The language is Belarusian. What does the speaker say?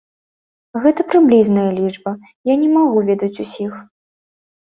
Гэта прыблізная лічба, я не магу ведаць ўсіх.